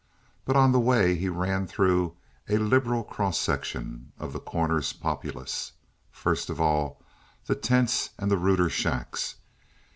But on the way he ran through a liberal cross section of The Corner's populace. First of all, the tents and the ruder shacks.